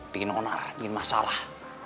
bikin onar bikin masalah